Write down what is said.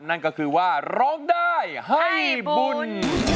นั่นก็คือว่าร้องได้ให้บุญ